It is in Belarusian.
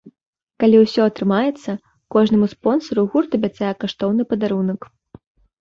Калі ўсё атрымаецца, кожнаму спонсару гурт абяцае каштоўны падарунак!